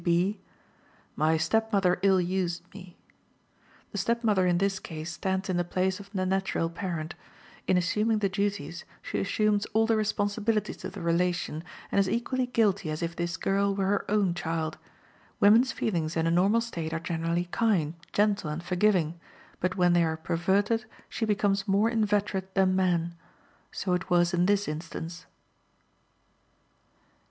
C. B.: "My stepmother ill used me." The stepmother in this case stands in the place of the natural parent. In assuming the duties, she assumes all the responsibilities of the relation, and is equally guilty as if this girl were her own child. Women's feelings, in a normal state, are generally kind, gentle, and forgiving; but when they are perverted, she becomes more inveterate than man. So it was in this instance.